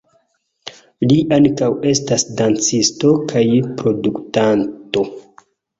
Li ankaŭ estas dancisto kaj produktanto.